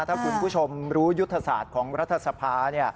ถ้าคุณผู้ชมรู้ยุทธศาสตร์ของรัฐสภา